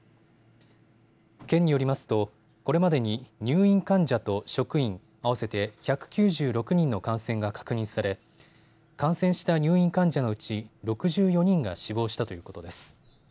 県によりますとこれまでに入院患者と職員、合わせて１９６人の感染が確認され感染した入院患者のうち６４人が死亡したということです。